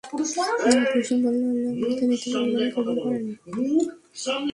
অপরজন বলল, আল্লাহ মুত্তাকীদের কুরবানী কবুল করেন।